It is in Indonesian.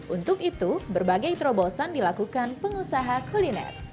untuk itu berbagai terobosan dilakukan pengusaha kuliner